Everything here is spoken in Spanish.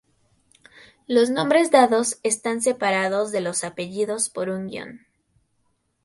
Los nombres dados están separados de los apellidos por un guión.